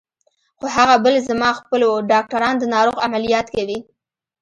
خو هغه بل زما خپل و، ډاکټران د ناروغ عملیات کوي.